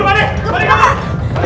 serius berangkat ahh